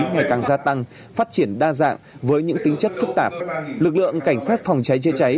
ngày càng gia tăng phát triển đa dạng với những tính chất phức tạp lực lượng cảnh sát phòng cháy chữa cháy